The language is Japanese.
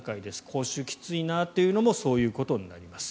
口臭、きついなというのもそういうことになります。